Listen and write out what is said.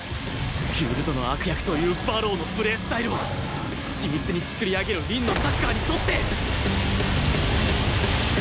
フィールドの悪役という馬狼のプレースタイルは緻密に創り上げる凛のサッカーにとって